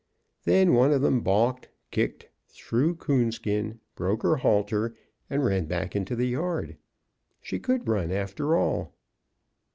Then one of them balked, kicked, threw Coonskin, broke her halter, and ran back into the yard. She could run after all.